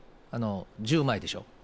１０枚でしょ。